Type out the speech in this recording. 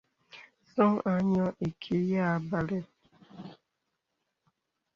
Ǹsɔ̄ŋ à nyɔ̄ɔ̄ ìkì yà bàlə.